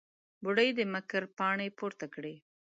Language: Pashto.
بوډۍ د مکر پاڼې پورته کړې.